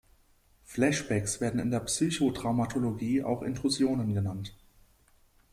Flashbacks werden in der Psychotraumatologie auch Intrusionen genannt.